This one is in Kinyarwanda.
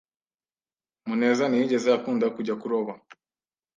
Muneza ntiyigeze akunda kujya kuroba.